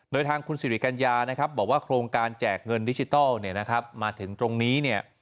โดยทางคุณสิริกัญญานะครับบอกว่าโครงการแจกเงินดิจิทัลมาถึงตรงนี้เนี่ย